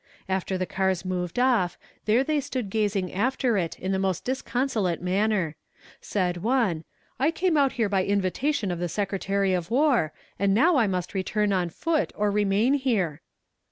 After the cars moved off there they stood gazing after it in the most disconsolate manner. Said one, "I came out here by invitation of the Secretary of War, and now I must return on foot, or remain here."